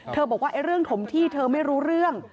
บอกว่าเรื่องถมที่เธอไม่รู้เรื่อง